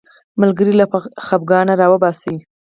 ملګری له خفګانه راوباسي